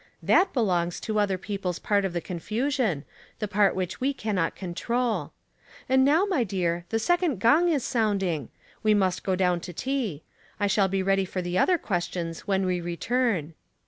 That belongs to other people's part of the confusion, the part which we cannot control. And now, my dear, the second gong is sounding. We must go down to tea. I shall be ready for the other questions when we return."